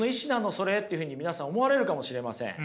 それというふうに皆さん思われるかもしれません。